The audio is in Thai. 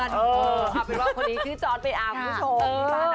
เอาเป็นว่าคนนี้คือจอสเปรย์อาคุณผู้ชม